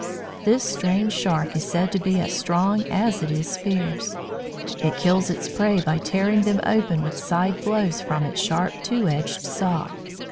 This strange Shark is said to be as strong as it is fierce. It kills its prey by tearing them open with side blows from its sharp, two edged saw.